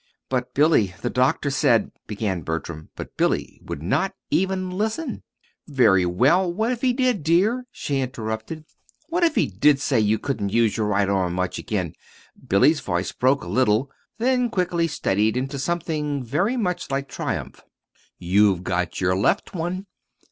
"But, Billy, the doctor said," began Bertram; but Billy would not even listen. "Very well, what if he did, dear?" she interrupted. "What if he did say you couldn't use your right arm much again?" Billy's voice broke a little, then quickly steadied into something very much like triumph. "You've got your left one!"